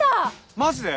マジで？